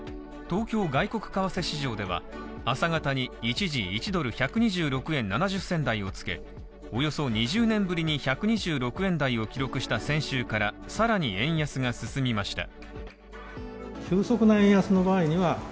東京外国為替市場では、朝方に一時１ドル＝１２６円７０銭台をつけおよそ２０年ぶりに１２６円台を記録した先週から更に円安が進みました。